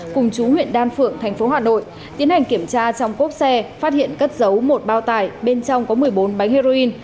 cùng chú huyện đan phượng thành phố hà nội tiến hành kiểm tra trong cốp xe phát hiện cất giấu một bao tải bên trong có một mươi bốn bánh heroin